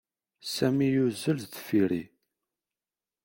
Sami yuzzel deffir-i.